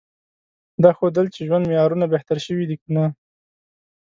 دا ښودل چې ژوند معیارونه بهتر شوي دي که نه؟